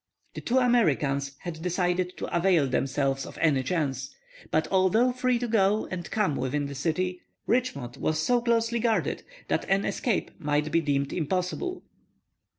The two Americans had decided to avail themselves of any chance; but although free to go and come within the city, Richmond was so closely guarded that an escape might be deemed impossible.